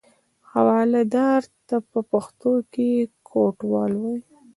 حوالهدار ته په پښتو کې کوټوال وایي.